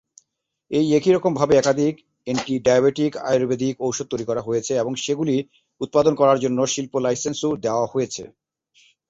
এই একই রকম ভাবে একাধিক অ্যান্টি-ডায়াবেটিক আয়ুর্বেদিক ওষুধ তৈরি করা হয়েছে এবং সেগুলি উৎপাদন করার জন্য শিল্প-লাইসেন্স-ও দেওয়া হয়েছে।